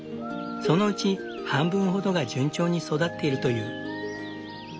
そのうち半分ほどが順調に育っているという。